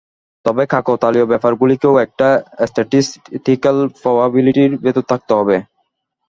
তবে কাকতালীয় ব্যাপারগুলিকেও একটা স্ট্যাটিসটিক্যাল প্রবাবিলিটির ভেতর থাকতে হবে।